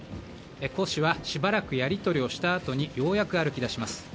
胡氏はしばらくやり取りをしたあとにようやく歩き出します。